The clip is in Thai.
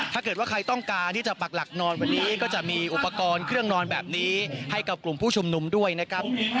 ถ้าเกิดว่าใครต้องการที่จะปักหลักนอนวันนี้ก็จะมีอุปกรณ์เครื่องนอนแบบนี้ให้กับกลุ่มผู้ชุมนุมด้วยนะครับ